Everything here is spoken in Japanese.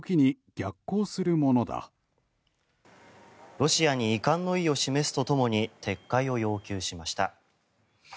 ロシアに遺憾の意を示すとともに撤回を要求しました。